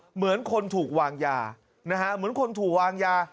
เหมือนคนถูกวางยานะฮะเหมือนคนถูกวางยา